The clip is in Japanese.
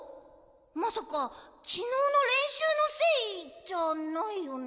まさかきのうのれんしゅうのせいじゃないよね？